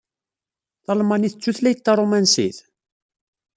Talmanit d tutlayt taṛumansit?